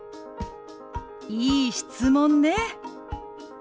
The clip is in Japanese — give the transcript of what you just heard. いい質問ね。